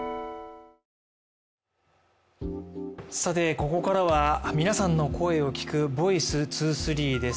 ここからは皆さんの声を聞く「ｖｏｉｃｅ２３」です。